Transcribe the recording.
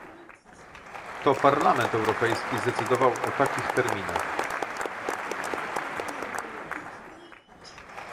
To Parlament Europejski zdecydował o takich terminach